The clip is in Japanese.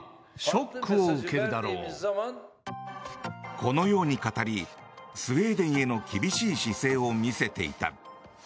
このように語りスウェーデンへの厳しい姿勢を見せていた。